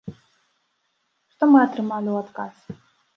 Што мы атрымалі ў адказ?